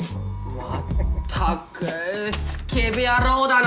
まったくスケベ野郎だな！